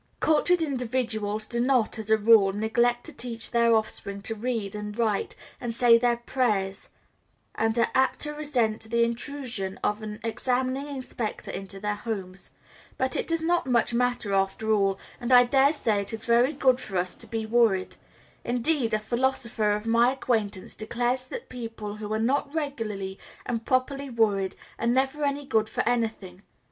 Cultured individuals do not, as a rule, neglect to teach their offspring to read, and write, and say their prayers, and are apt to resent the intrusion of an examining inspector into their homes; but it does not much matter after all, and I daresay it is very good for us to be worried; indeed, a philosopher of my acquaintance declares that people who are not regularly and properly worried are never any good for anything.